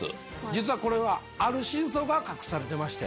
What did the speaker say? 実はこれはある真相が隠されてまして。